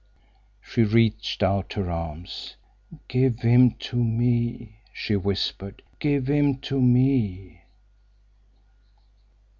She reached out her arms. "Give him to me," she whispered. "Give him to me."